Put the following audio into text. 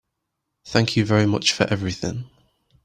Thank you very much for everything.